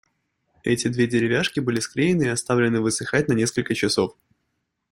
Эти две деревяшки были склеены и оставлены высыхать на насколько часов.